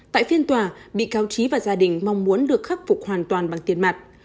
tại phiên tòa bị cáo trí và gia đình mong muốn được khắc phục hoàn toàn bằng tiền mặt